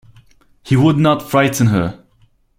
He would not frighten her.